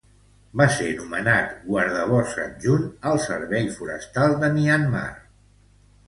Va ser nomenat guardaboscs adjunt al servici forestal de Myanmar.